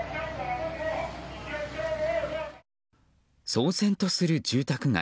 騒然とする住宅街。